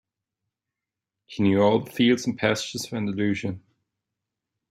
He knew all the fields and pastures of Andalusia.